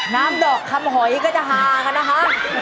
น้ำดอกคำหอยก็จะฮากันนะคะ